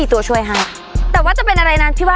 ต้องบอกว่าอย่างจริงเล่นหลายประเภท